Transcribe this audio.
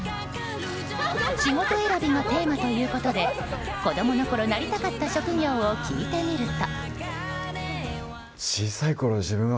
仕事選びがテーマということで子供のころなりたかった職業を聞いてみると。